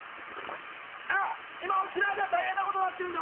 今、沖縄では大変なことになってるんだ。